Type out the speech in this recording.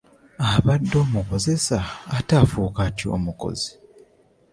Abadde omukozesa ate afuuka atya omukozi.